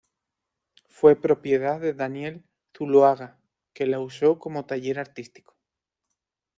Fue propiedad de Daniel Zuloaga, que la usó como taller artístico.